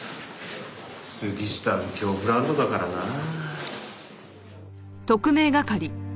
杉下右京ブランドだからなあ。